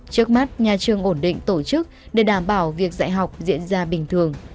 trước mắt nhà trường ổn định tổ chức để đảm bảo việc dạy học diễn ra bình thường